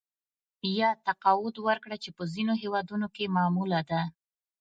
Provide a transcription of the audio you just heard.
یا تقاعد ورکړه چې په ځینو هېوادونو کې معموله ده